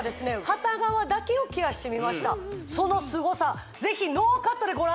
片側だけをケアしてみましたそのすごさぜひノーカットでご覧ください